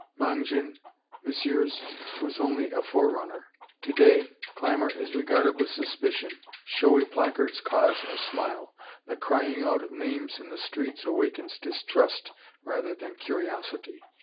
Mangin, Messieurs, was only a forerunner. To day, clamor is regarded with suspicion, showy placards cause a smile, the crying out of names in the streets awakens distrust rather than curiosity.